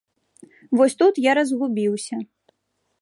Вось тут я разгубіўся.